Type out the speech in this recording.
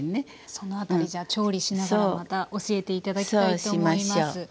その辺りじゃあ調理しながらまた教えて頂きたいと思います。